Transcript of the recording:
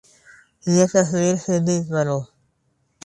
یہ تصویر سیدھی کرو